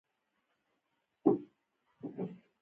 آیا وینکوور ته د شمال هالیوډ نه وايي؟